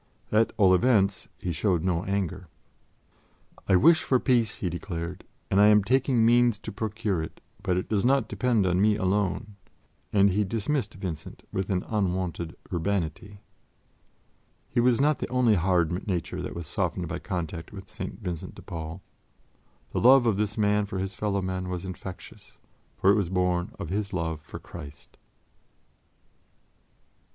At all events, he showed no anger. "I wish for peace," he declared, "and I am taking means to procure it, but it does not depend on me alone"; and he dismissed Vincent with an unwonted urbanity. His was not the only hard nature that was softened by contact with St. Vincent de Paul. The love of this man for his fellow men was infectious, for it was born of his love for Christ.